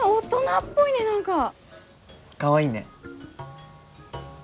かわいいね。